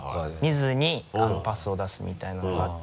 見ずにパスを出すみたいなのがあって。